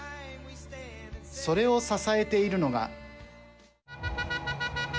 それを支えているのが。